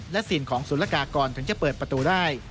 และซีนของสุรกากรถึงจะเปิดประตูได้